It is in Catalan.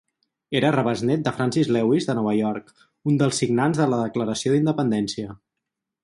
Era rebesnét de Francis Lewis de Nova York, un dels signants de la Declaració d'Independència.